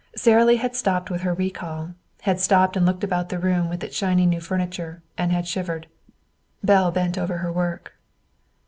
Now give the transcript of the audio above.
Sara Lee had stopped with her recall, had stopped and looked about the room with its shiny new furniture and had shivered. Belle bent over her work.